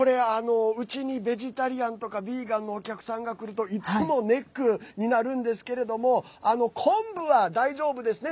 うちにベジタリアンとかビーガンのお客さんが来るといつもネックになるんですけど昆布は大丈夫ですね。